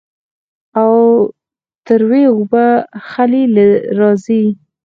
او تروې اوبۀ خلې له راځي